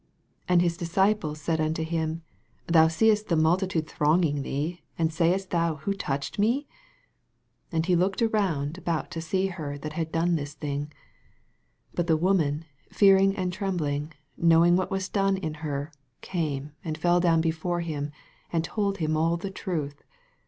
31 And his disciples said unto him, Thou seest the multitude thronging thee, and sayest thou, Who touched me? 32 And he looked around about to seo her that had done this thing. 33 But the woman fearing and trembling, knowing what was done in her, came and fell down before him, and told him all the truth.